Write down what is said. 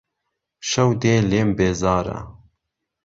شهو دێ لێم بێزاره